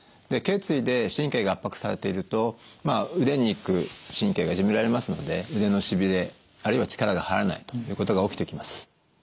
けい椎で神経が圧迫されていると腕に行く神経がいじめられますので腕のしびれあるいは力が入らないということが起きてきます。